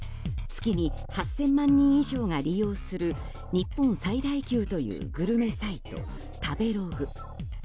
月に８０００万人以上が利用する日本最大級というグルメサイト食べログ。